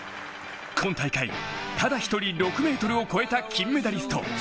今大会、ただ１人、６ｍを超えた金メダリスト。